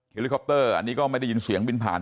ลิคอปเตอร์อันนี้ก็ไม่ได้ยินเสียงบินผ่าน